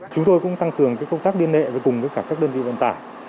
chúng tôi cũng tăng cường công tác điên lệ với cùng với các đơn vị vận tải